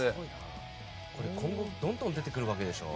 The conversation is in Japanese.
どんどん出てくるわけでしょ。